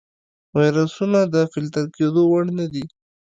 ویروسونه د فلتر کېدو وړ نه دي.